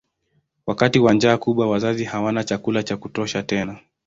Wakati wa njaa kubwa wazazi hawana chakula cha kutosha tena.